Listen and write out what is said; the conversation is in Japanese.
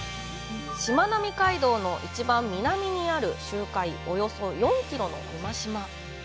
しまなみ海道の一番南にある、周回およそ４キロの馬島。